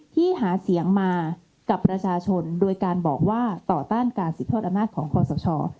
ที่หาเสียงมากับประชาชนโดยการบอกว่าต่อต้านการสืบทอดอำนาจของคอสช